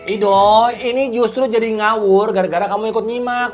idol ini justru jadi ngawur gara gara kamu ikut nyimak